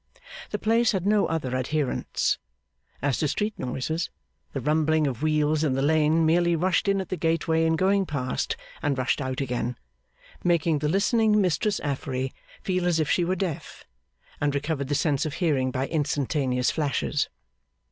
The place had no other adherents. As to street noises, the rumbling of wheels in the lane merely rushed in at the gateway in going past, and rushed out again: making the listening Mistress Affery feel as if she were deaf, and recovered the sense of hearing by instantaneous flashes.